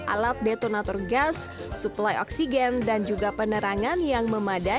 alat detonator gas suplai oksigen dan juga penerangan yang memadai